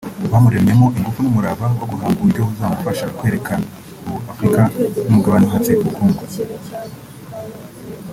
Byamuremyemo ingufu n’umurava wo guhanga uburyo buzamufasha kwereka Afurika nk’Umugabane uhatse ubukungu